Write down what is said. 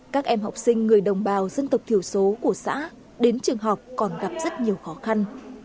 các em học sinh người đồng bào dân tộc thiểu số của xã đến trường học còn gặp rất nhiều khó khăn